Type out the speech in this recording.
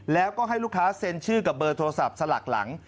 แล้วก็ให้ลูกค้าเซ็นชื่อกับเบอร์โทรศัพท์สลักหลัง